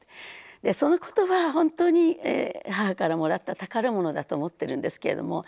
その言葉は本当に母からもらった宝物だと思ってるんですけれども。